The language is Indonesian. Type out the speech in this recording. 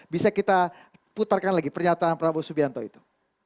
bisa kita putarkan lagi pernyataan prabowo subianto itu